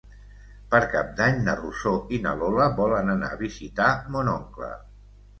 Per Cap d'Any na Rosó i na Lola volen anar a visitar mon oncle.